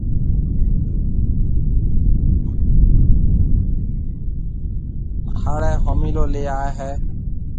ھاݪِي ھوميݪيو ليَ آئيَ ھيََََ